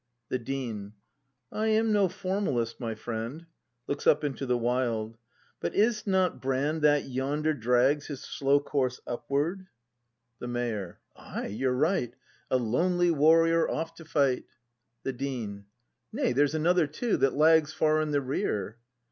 The Dean. I am no formalist, my friend. [Looks up into the wild.] But is't not Brand that yonder drags His slow course upward ? 284 BRAND [act v The Mayor. Ay, you're right! A lonely warrior off to fight! The Dean. Nay, there's another too — that lags Far in the rear!